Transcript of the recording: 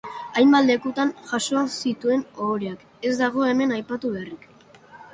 Hainbat lekutan jaso zituen ohoreak ez dago hemen aipatu beharrik.